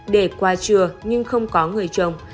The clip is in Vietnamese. để qua trưa nhưng không có người chồng